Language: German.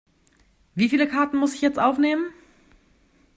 Wie viele Karten muss ich jetzt aufnehmen?